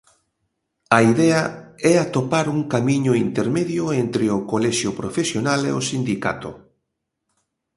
A idea é atopar un camiño intermedio entre o colexio profesional e o sindicato.